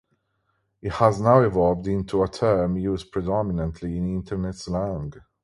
It has now evolved into a term used predominantly in Internet slang.